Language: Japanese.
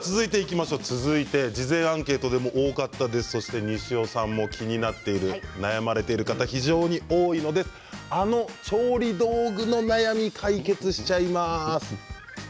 続いて事前アンケートで多かったそして西尾さんも気になっている悩まれている方、非常に多いのであの調理道具の悩み解決しちゃいます。